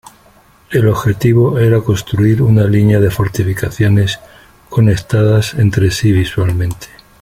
El objetivo era construir una línea de fortificaciones conectadas entre sí visualmente.